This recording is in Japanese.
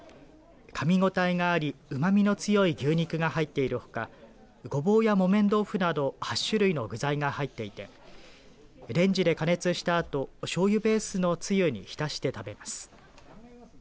かみごたえがあり、うまみの強い牛肉が入っているほかごぼうや木綿豆腐など８種類の具材が入っていてレンジで加熱したあとしょうゆベースのつゆに浸して食べます。